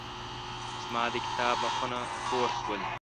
زما د کتاب مخونه تور شول.